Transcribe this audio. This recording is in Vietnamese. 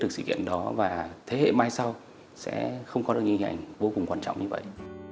được sự kiện đó và thế hệ mai sau sẽ không có được những hình ảnh vô cùng quan trọng như vậy